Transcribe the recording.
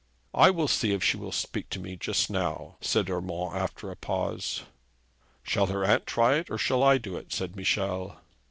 'I will see if she will speak to me just now,' said Urmand after a pause. 'Shall her aunt try it, or shall I do it?' said Michel.